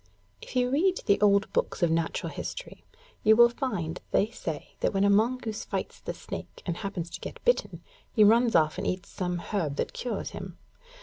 If you read the old books of natural history, you will find they say that when the mongoose fights the snake and happens to get bitten, he runs off and eats some herb that cures him.